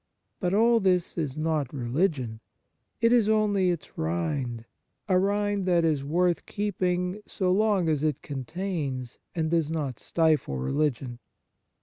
But all this is not religion : it is only its rind — a rind that is worth keeping so long as it contains, and does not stifle, religion.